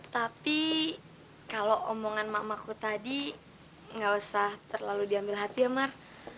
tapi kalau omongan makmaku tadi enggak usah terlalu diambil hati ya m cellar